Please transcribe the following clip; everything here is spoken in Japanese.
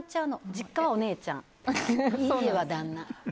実家はお姉ちゃん、家は旦那。